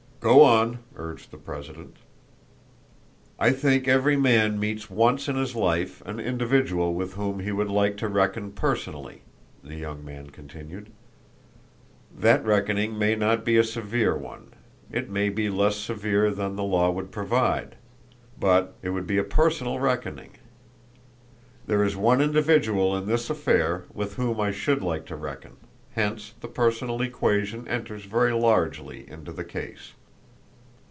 "Go on," urged the president. "I think every man meets once in his life an individual with whom he would like to reckon personally," the young man continued. "That reckoning may not be a severe one; it may be less severe than the law would provide; but it would be a personal reckoning. There is one individual in this affair with whom I should like to reckon, hence the personal equation enters very largely into the case."